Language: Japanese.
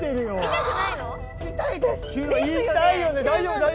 大丈夫？